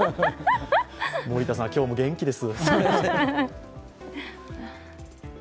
森田さんは今日も元気です。